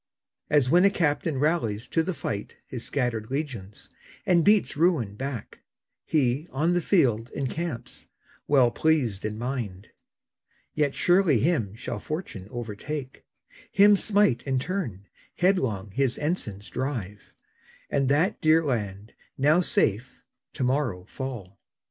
As when a captain rallies to the fight His scattered legions, and beats ruin back, He, on the field, encamps, well pleased in mind. Yet surely him shall fortune overtake, Him smite in turn, headlong his ensigns drive; And that dear land, now safe, to morrow fall.